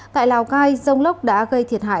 tại lào cai rông lốc đã gây thiệt hại